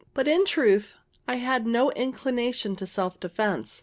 But, in truth, I had no inclination to self defence.